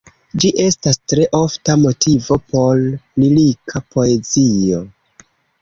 Ĝi estas tre ofta motivo por lirika poezio.